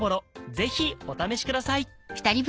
ぜひお試しください。